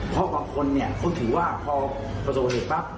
บางคนที่คนถือว่าพอประสบวะเหตุปรับ